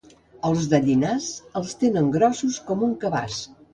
Els de Llinars els tenen grossos com un cabàs